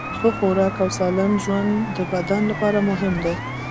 ښه خوراک او سالم ژوند د بدن لپاره مهم دي.